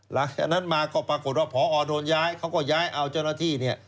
หลังจากนั้นมาก็ปรากฏว่าพอโดนย้ายเขาก็ย้ายเอาเจ้าหน้าที่เนี่ย